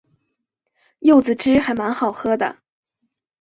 柚子汁还蛮好喝的